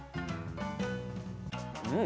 うん！